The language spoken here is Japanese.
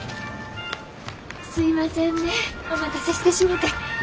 すいませんねえお待たせしてしもて。